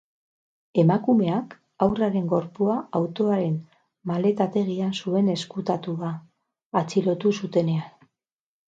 Emakumeak haurraren gorpua autoaren maletategian zuen ezkutatua, atxilotu zutenean.